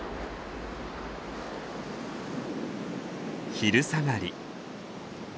昼下がり。